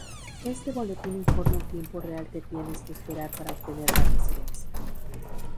Este boletín informa el tiempo real que tienes que esperar para obtener la residencia.